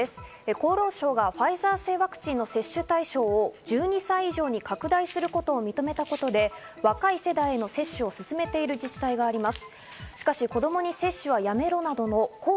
厚労省がファイザー製ワクチンの接種対象を１２歳以上に拡大することを認めたことで、若い世代への接種を勧めている自治体があります。